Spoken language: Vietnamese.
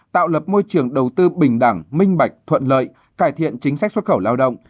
tạo lập môi trường đầu tư bình đẳng minh bạch thuận lợi cải thiện chính sách xuất khẩu lao động